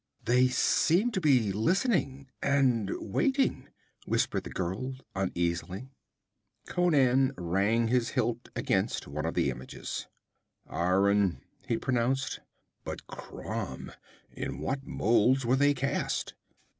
'They seem to be listening and waiting!' whispered the girl uneasily. Conan rang his hilt against one of the images. 'Iron,' he pronounced. 'But Crom! In what molds were they cast?'